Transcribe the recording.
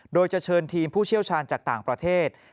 โดยจะเชิญทีมผู้เชี่ยวชาญจากต่างประเทศ